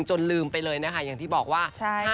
จนลืมไปเลยนะคะอย่างที่บอกว่า